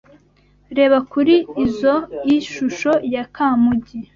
Reba kuri izoi shusho ya Kamugi.